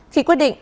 khi quyết định